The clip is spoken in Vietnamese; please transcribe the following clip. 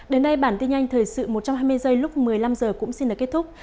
đến đây bản tin nhanh thời sự một trăm hai mươi giây lúc một mươi năm h cũng xin được kết thúc